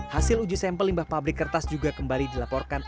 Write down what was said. hasil uji sampel limbah pabrik kertas juga kembali dilaporkan